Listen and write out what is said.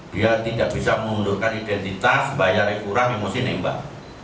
dia tidak bisa mengundurkan identitas bayarnya kurang emosi nembak